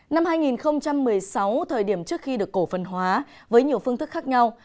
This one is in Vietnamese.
năm hai nghìn một mươi sáu thời điểm trước khi được cổ phần hóa với nhiều phương thức khác nhau